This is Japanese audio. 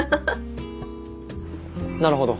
なるほど。